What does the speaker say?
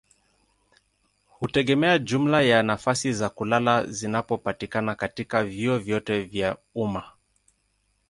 hutegemea jumla ya nafasi za kulala zinazopatikana katika vyuo vyote vya umma.